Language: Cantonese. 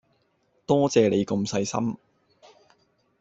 多謝你咁細心